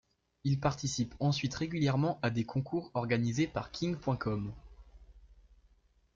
Il participe ensuite régulièrement à des concours organisés par King.com.